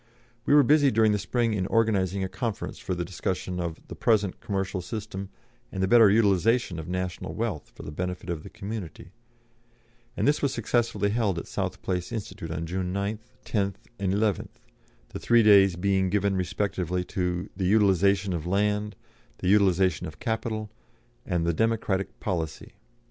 We were busy during the spring in organising a conference for the discussion of "The Present Commercial System, and the Better Utilisation of National Wealth for the Benefit of the Community," and this was successfully held at South Place Institute on June 9th, 10th, 11th, the three days being given respectively, to the "Utilisation of Land," the "Utilisation of Capital," and the "Democratic Policy."